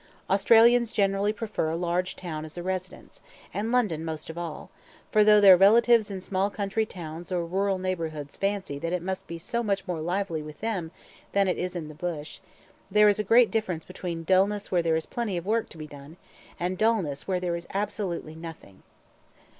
Australians generally prefer a large town as a residence, and London most of all; for though their relatives in small country towns or rural neighbourhoods fancy that it must be so much more lively with them than it is in the bush, there is a great difference between the dullness where there is plenty of work to be done, and the dullness where there is absolutely nothing.